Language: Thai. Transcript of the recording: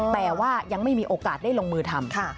แต่ว่ายังไม่มีโอกาสได้ลงมือทำ